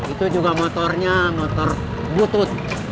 itu juga motornya motor butuh